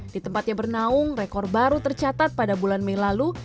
di tempatnya bernaung rekor baru tercatat pada bulan mei lalu